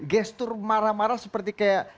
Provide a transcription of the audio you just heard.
gestur marah marah seperti kayak